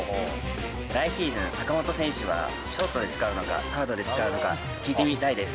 来シーズン、坂本選手はショートで使うのか、サードで使うのか、聞いてみたいです。